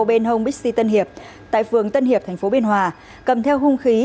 bên hông bixi tân hiệp tại phường tân hiệp thành phố biên hòa cầm theo hung khí